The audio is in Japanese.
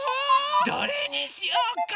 どれにしようか？